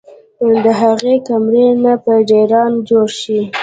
د هغې کمرې نه به ډېران جوړ شي